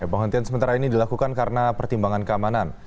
penghentian sementara ini dilakukan karena pertimbangan keamanan